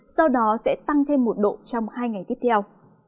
sau đó sẽ tăng thêm một độ trong hai ngày tiếp theo